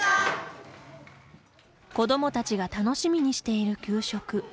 子どもたちが楽しみにしている給食。